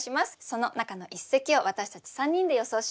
その中の一席を私たち３人で予想します。